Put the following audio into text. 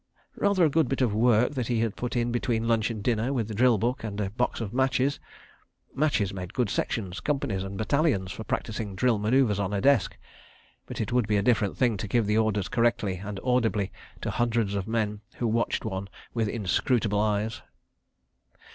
... Rather a good bit of work that he had put in between lunch and dinner with the drill book and a box of matches. Matches made good sections, companies, and battalions for practising drill manœuvres on a desk—but it would he a different thing to give the orders correctly and audibly to hundreds of men who watched one with inscrutable eyes.